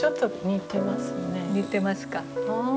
似てますか？